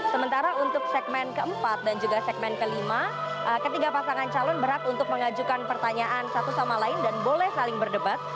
sementara untuk segmen keempat dan juga segmen kelima ketiga pasangan calon berat untuk mengajukan pertanyaan satu sama lain dan boleh saling berdebat